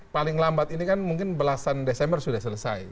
paling lambat ini kan mungkin belasan desember sudah selesai